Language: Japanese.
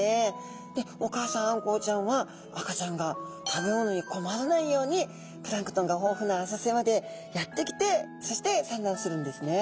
でお母さんあんこうちゃんは赤ちゃんが食べ物に困らないようにプランクトンが豊富な浅瀬までやって来てそして産卵するんですね。